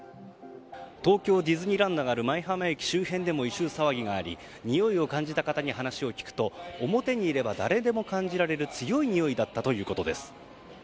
東京ディズニーランドがある舞浜駅周辺でも異臭騒ぎがありにおいを感じた方に話を聞くと表にいれば誰でも感じられる強いにおいだったということです。